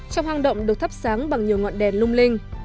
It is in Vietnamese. trong hang động được thắp sáng bằng nhiều ngọn đèn lung linh